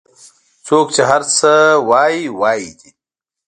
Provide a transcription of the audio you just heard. څوک چې هر څه وایي وایي دي